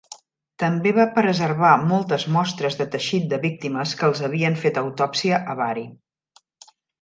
També va preservar moltes mostres de teixit de víctimes que els havien fet autòpsia a Bari.